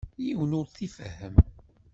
Yiwen ur t-ifehhem.